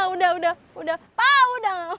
udah udah pak udah gak mau